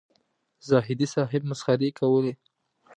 زاهدي صاحب مسخرې کولې.